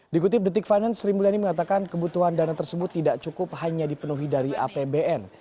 dikutip detik finance sri mulyani mengatakan kebutuhan dana tersebut tidak cukup hanya dipenuhi dari apbn